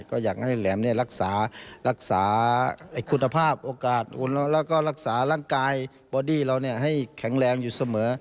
ก็อยากให้แหลมรักษารักษาคุณภาพโอกาสแล้วก็รักษาร่างกายบอดี้เราให้แข็งแรงอยู่เสมอ